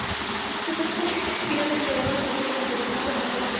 Entonces, finalmente llegaron refuerzos de Constantinopla, tomando la ofensiva.